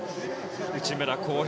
内村航平